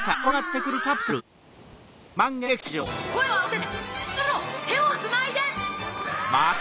てをつないで！